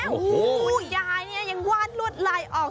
คุณยายนี่ยังวาดลวดลายออก